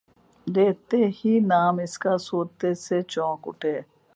لیتے ہی نام اس کا سوتے سے چونک اٹھے